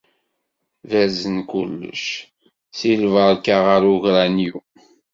Berzen kullec, seg lberka ɣer ugranyu.